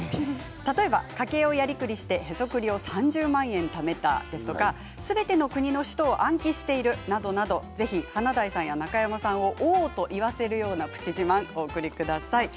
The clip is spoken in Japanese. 例えば、家計をやりくりしてへそくりを３０万円ためたですとかすべての国の首都を暗記しているなどなどぜひ華大さんや中山さんをおぉと言わせるようなプチ自慢をお送りください。